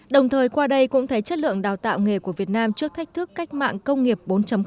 đồng thời qua đây cũng thấy chất lượng đào tạo nghề của việt nam trước thách thức cách mạng công nghiệp bốn